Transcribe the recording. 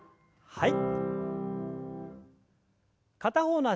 はい。